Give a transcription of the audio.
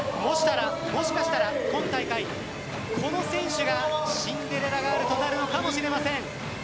もしかしたら今大会この選手がシンデレラガールとなるのかもしれません。